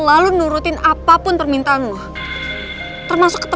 aku ingin keluarga aku itu